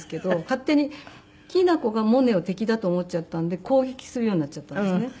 勝手にキナコがモネを敵だと思っちゃったんで攻撃するようになっちゃったんですね。